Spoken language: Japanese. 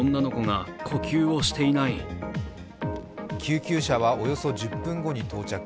救急車はおよそ１０分後に到着。